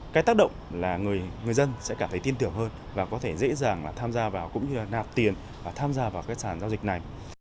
cái tác động là người dân sẽ cảm thấy tin tưởng hơn và có thể dễ dàng tham gia vào cũng như nạp tiền tham gia vào các sản giao dịch này